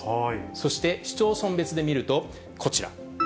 そして市町村別で見ると、こちら。